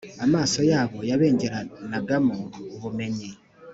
amaso yabo yabengeranagamo ubumenyi